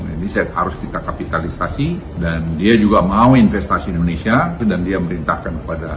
nah ini harus kita kapitalisasi dan dia juga mau investasi indonesia dan dia merintahkan kepada